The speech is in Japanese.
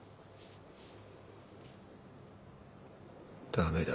駄目だ。